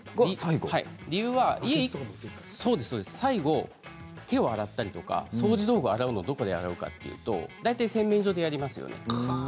理由は最後、手を洗ったりとか掃除道具を洗うのはどこで洗うかというと大体、洗面所でやりますよね。